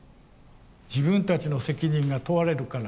自分たちの責任が問われるから。